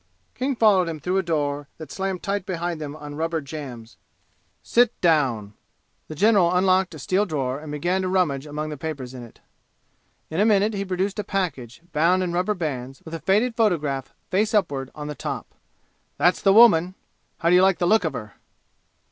King followed him through a door that slammed tight behind them on rubber jambs. "Sit down!" The general unlocked a steel drawer and began to rummage among the papers in it. In a minute he produced a package, bound in rubber bands, with a faded photograph face upward on the top. "That's the woman! How d'you like the look of her?"